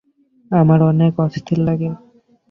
আমার অনেক অস্থির লাগে।